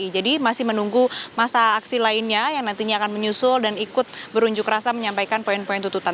jadi masih menunggu masa aksi lainnya yang nantinya akan menyusul dan ikut berunjuk rasa menyampaikan poin poin tututan